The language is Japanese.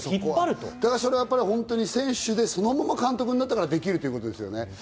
それは選手でそのまま監督になったからできるっていうことですよね。